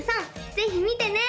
ぜひ見てね！